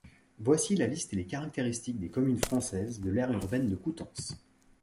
Voici la liste et les caractéristiques des communes françaises de l'aire urbaine de Coutances.